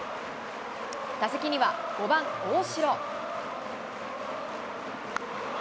打席には５番大城。